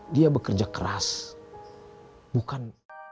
dia bekerja keras bukan